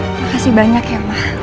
makasih banyak ya ma